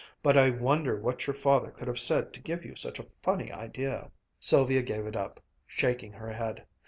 But I wonder what your father could have said to give you such a funny idea." Sylvia gave it up, shaking her head.